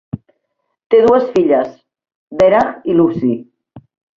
Té dues filles, Deragh i Lucy.